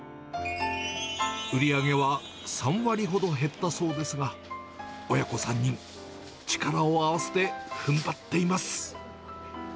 売り上げは３割ほど減ったそうですが、親子３人、力を合わせてふんばっています。